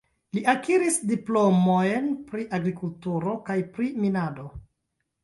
Li akiris diplomojn kaj pri agrikulturo kaj pri minado.